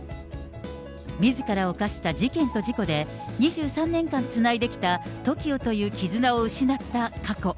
みずから犯した事件と事故で、２３年間つないできたＴＯＫＩＯという絆を失った過去。